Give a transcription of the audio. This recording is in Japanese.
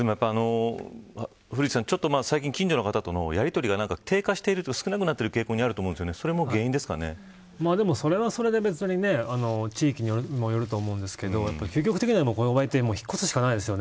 古市さん、最近近所の方とのやり取りが少なくなってる傾向にあると思うんですけどでも、それはそれで別に地域にもよると思うんですけど究極的には、この場合引っ越すしかないですよね。